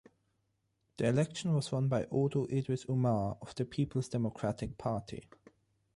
The election was won by Audu Idris Umar of the Peoples Democratic Party.